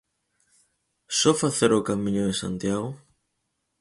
¿Só facer o Camiño de Santiago?